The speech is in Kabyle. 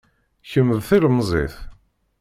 Kemm d tilemẓit